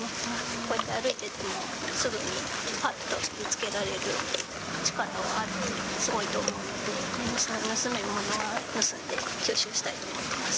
こうやって歩いてても、すぐにぱっと見つけられる力があるのはすごいと思うので、盗めるものは盗んで、吸収したいと思います。